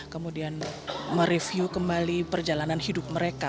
kemudian mereview kembali perjalanan hidup mereka